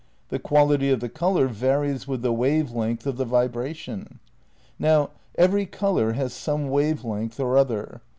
... The quality of the colour varies with the wave length of the vibration. Now every colour has some wave length or other.